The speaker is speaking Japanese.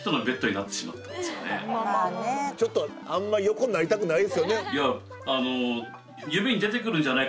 あんまり横になりたくないですよね。